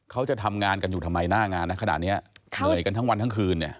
เขาจะทำงานกันอยู่ทำไมหน้างานนะขนาดนี้เหนื่อยกันทั้งวันทั้งคืนเนี่ย